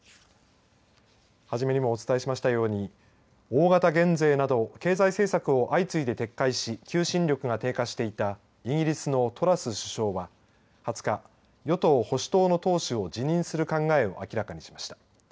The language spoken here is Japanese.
初めにお伝えしましたように大型減税など経済政策を相次いで撤回し求心力が低下していたイギリスのトラス首相は２０日、与党・保守党の党首を辞任する考えを明らかにしました。